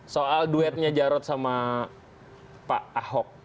soal duetnya jarod sama pak ahok